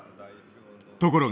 ところが。